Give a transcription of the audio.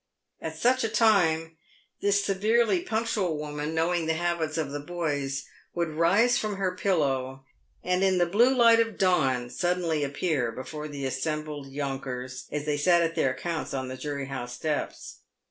At such a time, this severely punctual woman, knowing the habits of the boys, would rise from her pillow, and in the blue light of dawn suddenly appear before the assembled younkers as they sat at their accounts on the Jury house steps.